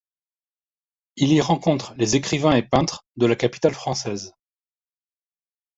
Il y rencontre les écrivains et peintres de la capitale française.